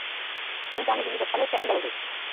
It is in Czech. Momentálně žijí ve španělské Andalusii.